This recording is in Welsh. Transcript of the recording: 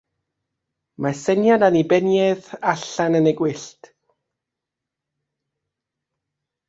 Mae syniad Annibyniaeth allan yn y gwyllt.